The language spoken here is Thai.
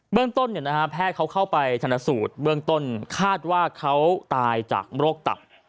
เรื่องต้นแพทย์เขาเข้าไปชนสูตรเบื้องต้นคาดว่าเขาตายจากโรคตับ